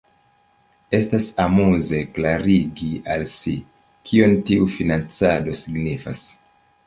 Estas amuze klarigi al si, kion tiu financado signifas.